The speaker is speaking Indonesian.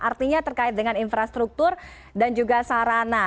artinya terkait dengan infrastruktur dan juga sarana